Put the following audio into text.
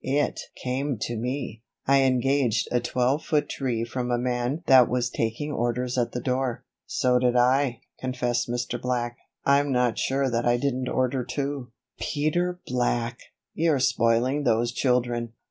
"It came to me. I engaged a twelve foot tree from a man that was taking orders at the door." "So did I," confessed Mr. Black. "I'm not sure that I didn't order two." "Peter Black! You're spoiling those children."